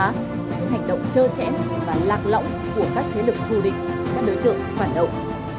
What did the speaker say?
những hành động trơ chẽ và lạc lõng của các thế lực thu định các đối tượng phản động